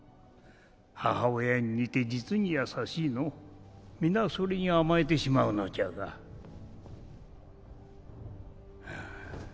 母親に似て実に優しいのう皆それに甘えてしまうのじゃがああ